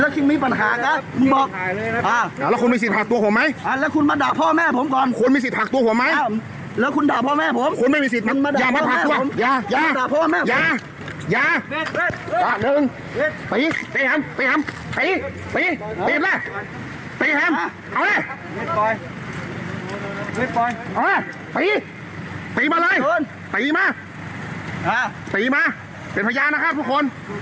จับไปเอ้าตีตีมาเลยตีมาตีมาเป็นพระยานะฮะทุกคน